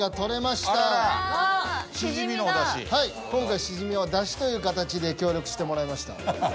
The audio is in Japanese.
今回シジミはだしというかたちで協力してもらいました。